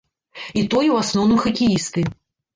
І тое ў асноўным хакеісты.